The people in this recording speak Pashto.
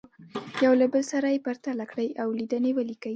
یو له بل سره یې پرتله کړئ او لیدنې ولیکئ.